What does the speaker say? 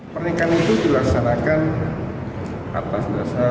pernikahan itu dilaksanakan atas dasar